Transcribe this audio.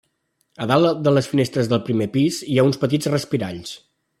A dalt de les finestres del primer pis hi ha uns petits respiralls.